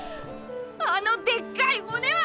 あのでっかい骨は！？